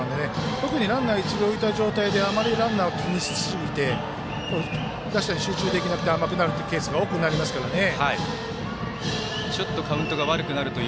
特にランナー、一塁に置いた状態であまりランナーを気にしすぎて打者に集中できなくて甘くなるっていうケースが多くなりますからね。